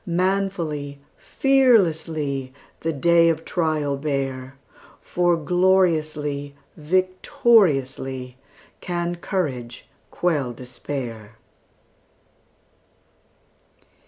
Manfully, fearlessly, The day of trial bear, For gloriously, victoriously, Can courage quell despair!